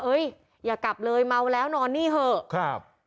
อย่ากลับเลยเมาแล้วนอนนี่เถอะครับ